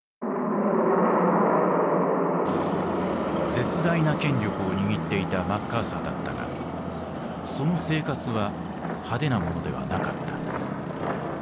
絶大な権力を握っていたマッカーサーだったがその生活は派手なものではなかった。